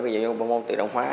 ví dụ như bộ môn tự động hóa